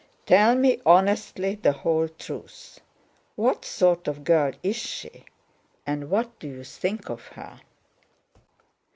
"Tell me honestly the whole truth: what sort of girl is she, and what do you think of her?